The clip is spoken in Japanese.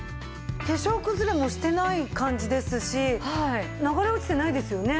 化粧くずれもしてない感じですし流れ落ちてないですよね。